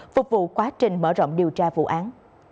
phục vụ quá trình mở rộng điều tra vụ án